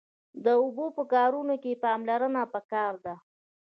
د اوبو په کارونه کښی پاملرنه پکار ده